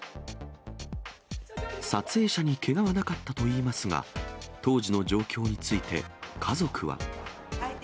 撮影者にけがはなかったといいますが、当時の状況について、家族は。